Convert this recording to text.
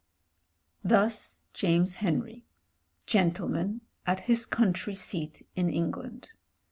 ••••• Thus James Henry — gentleman, at his country seat in England.